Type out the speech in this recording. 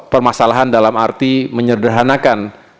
permasalahan dalam arti menyederhanakan